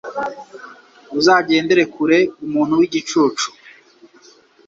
Uzagendere kure umuntu w’igicucu